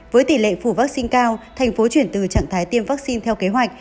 với tỷ lệ phủ vaccine cao thành phố chuyển từ trạng thái tiêm vaccine theo kế hoạch